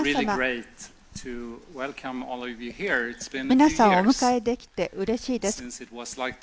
皆さんをお迎えできてうれしいです。